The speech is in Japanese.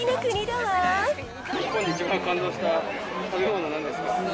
日本で一番感動した食べ物はなんですか？